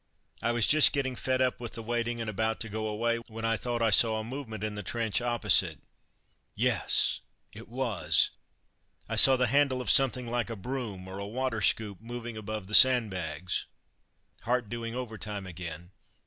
I was just getting fed up with the waiting, and about to go away, when I thought I saw a movement in the trench opposite. Yes! it was. I saw the handle of something like a broom or a water scoop moving above the sandbags. Heart doing overtime again!